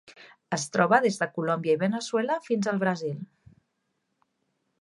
Es troba des de Colòmbia i Veneçuela fins al Brasil.